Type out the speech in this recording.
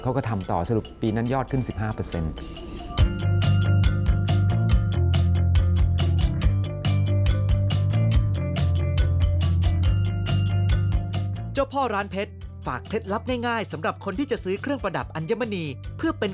เขาก็ทำต่อสรุปปีนั้นยอดขึ้น๑๕